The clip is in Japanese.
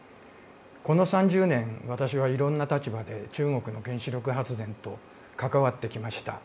この３０年、私はいろんな立場で中国の原子力発電と関わってきました。